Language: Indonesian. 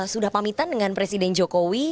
sudah pamitan dengan presiden jokowi